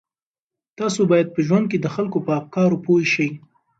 تاسو باید په ژوند کې د خلکو په افکارو پوه شئ.